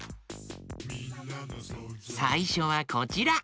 さいしょはこちら。